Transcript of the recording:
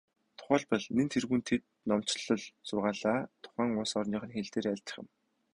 Тухайлбал, нэн тэргүүнд тэд номлол сургаалаа тухайн улс орных нь хэл дээр айлдах юм.